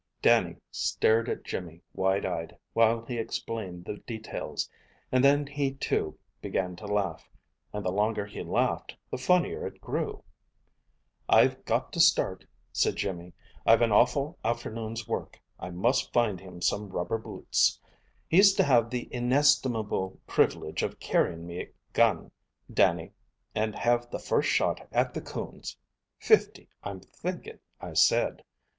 Dannie stared at Jimmy wide eyed, while he explained the details, and then he too began to laugh, and the longer he laughed the funnier it grew. "I've got to start," said Jimmy. "I've an awful afternoon's work. I must find him some rubber boots. He's to have the inestimable privilege of carryin' me gun, Dannie, and have the first shot at the coons, fifty, I'm thinkin' I said.